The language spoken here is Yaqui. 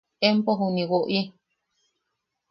Empo juniʼi woʼi;.